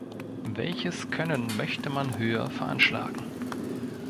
Welches Können möchte man höher veranschlagen!